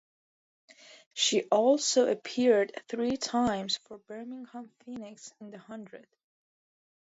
She also appeared three times for Birmingham Phoenix in The Hundred.